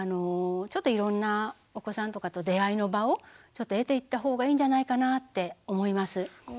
ちょっといろんなお子さんとかと出会いの場をちょっと得ていった方がいいんじゃないかなって思います。